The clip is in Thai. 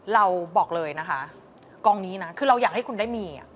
เราบอกเลยนะคะกองนี้นะคือเราอยากให้คุณได้มี